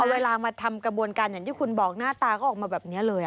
เวลามาทำกระบวนการอย่างที่คุณบอกหน้าตาก็ออกมาแบบนี้เลย